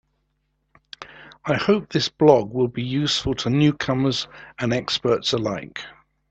I hope this blog will be useful to newcomers and experts alike.